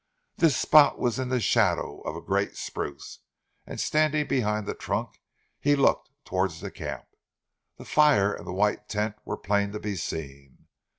This spot was in the shadow of a great spruce, and standing behind the trunk he looked towards the camp. The fire and the white tent were plain to be seen.